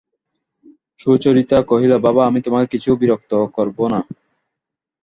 সুচরিতা কহিল, বাবা, আমি তোমাকে কিছু বিরক্ত করব না।